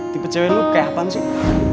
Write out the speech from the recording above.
tipe cewek lo kayak apaan sih